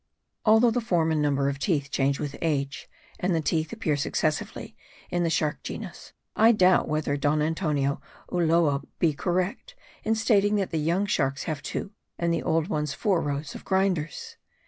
Although the form and number of teeth change with age, and the teeth appear successively in the shark genus, I doubt whether Don Antonio Ulloa be correct in stating that the young sharks have two, and the old ones four rows of grinders.